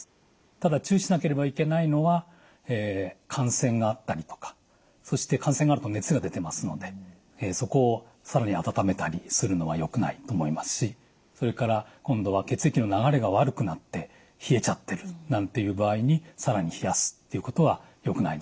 ただ注意しなければいけないのは感染があったりとかそして感染があると熱が出てますのでそこを更に温めたりするのはよくないと思いますしそれから今度は血液の流れが悪くなって冷えちゃってるなんていう場合に更に冷やすということはよくないですよね。